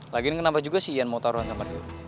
lagian kenapa juga sih ian mau taruhan sama rio